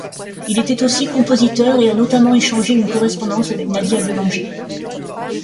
Il était aussi compositeur et a notamment échangé une correspondance avec Nadia Boulanger.